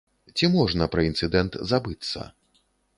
Ці можна пра інцыдэнт забыцца?